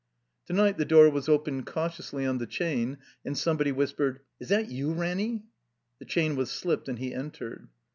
To night the door was opened cautiously on the chain and somebody whispered, ''Is that you, Ranny?" The chain was slipped, and he entered.